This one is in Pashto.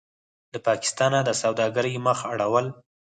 له پاکستانه د سوداګرۍ مخ اړول: